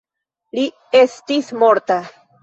Li estis morta.